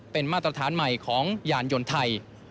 เป็นมาตรฐานใหม่ของยานยนต์ไทย